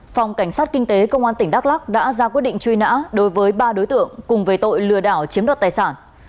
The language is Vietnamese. phòng cảnh sát kinh tế công an tỉnh đắk lắc đã ra quyết định truy nã đối với ba đối tượng cùng về tội lừa đảo chiếm đoạt tài sản